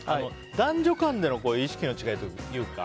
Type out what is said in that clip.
男女間での意識の違いというか。